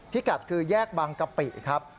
กัดคือแยกบางกะปิครับ